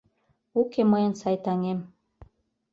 Уке мыйын сай таҥем.